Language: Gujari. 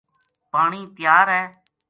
پانی تیار ہے‘‘